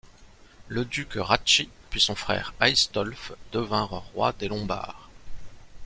Le duc Ratchis puis son frère Aistolf devinrent rois des Lombards.